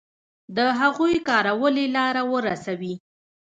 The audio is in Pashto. د هغوی کارولې لاره ورسوي.